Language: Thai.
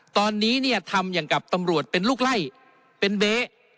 ตอนนี้เนี่ยทำอย่างกับตำรวจเป็นลูกไล่เป็นเบ๊